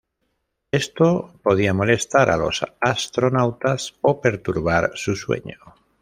Esto podía molestar a los astronautas o perturbar su sueño.